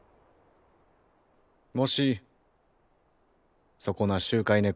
もしそこな集会猫。